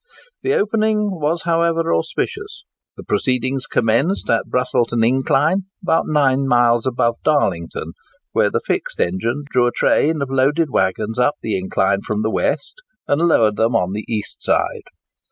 The opening was, however, auspicious. The proceedings commenced at Brusselton Incline, about nine miles above Darlington, where the fixed engine drew a train of loaded waggons up the incline from the west, and lowered them on the east side.